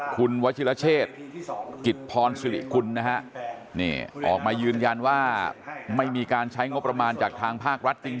คุณวัชิรเชษกิจพรสิริกุลนะฮะนี่ออกมายืนยันว่าไม่มีการใช้งบประมาณจากทางภาครัฐจริง